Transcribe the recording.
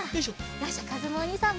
よしかずむおにいさんも。